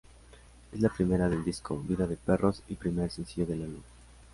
Es la primera del disco "Vida de perros" y primer sencillo del álbum.